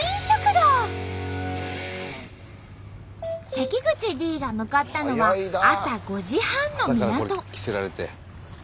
関口Ｄが向かったのは朝５時半の港。